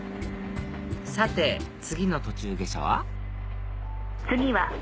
さて次の途中下車は？